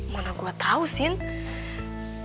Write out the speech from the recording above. mana gue tau sini